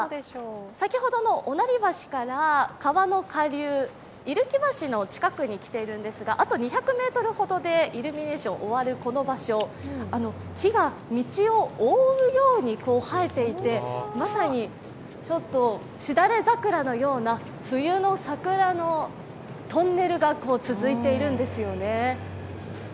先ほどの御成橋から川の下流、居木橋の近くに来ているんですがあと２００ｍほどでイルミネーションが終わるこの場所、木が道を覆うように生えていて、まさに、しだれ桜のような冬の桜のトンネルが続いているんですよね。